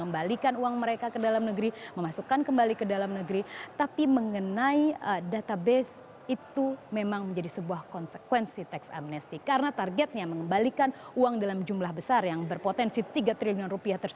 berita terkini dari dpr